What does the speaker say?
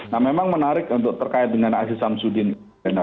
nah memang menarik untuk terkait dengan aziz samsudin